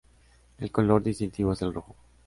El color distintivo es el rojo.